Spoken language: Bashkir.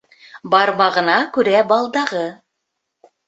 Бармағына күрә балдағы.